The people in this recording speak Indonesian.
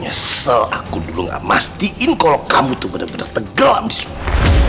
nyesel aku dulu gak mastiin kalo kamu tuh bener bener tegelam disini